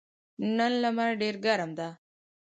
نن لمر ډېر ګرم ده.